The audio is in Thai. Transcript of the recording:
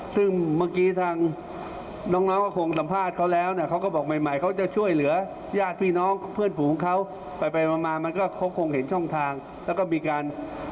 ซึ่งเมื่อกี้ทางน้องก็คงสัมภาษณ์เขาแล้วนะเขาก็บอกใหม่เขาจะช่วยเหลือญาติพี่น้องเพื่อนฝูงเขาไปไปมามันก็เขาคงเห็นช่องทางแล้วก็มีการ